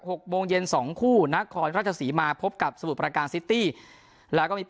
หกโมงเย็นสองคู่นครราชสีมาพบกับสมุทรประการซิตี้แล้วก็มี